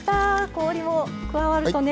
氷も加わるとね